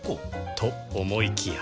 と思いきや